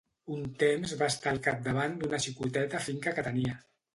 Un temps va estar al capdavant d'una xicoteta finca que tenia.